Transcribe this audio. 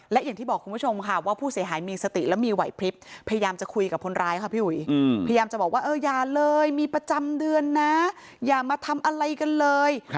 และอย่างที่บอกคุณผู้ชมค่ะว่าผู้เสียหายมีสติและมีไหวพลิบพยายามจะคุยกับคนร้ายค่ะพี่อุ๋ยพยายามจะบอกว่าเอออย่าเลยมีประจำเดือนนะอย่ามาทำอะไรกันเลย